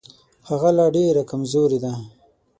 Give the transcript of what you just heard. هغه لا ډېره کمزورې ده.